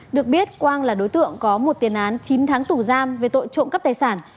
được biết quang là đối tượng có một tiền án chín tháng tù giam về tội trộm cắp tài sản